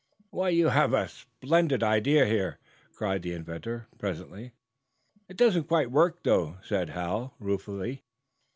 "Why, you have a splendid idea here," cried the inventor, presently. "It doesn't quite work, though," said Hal, ruefully.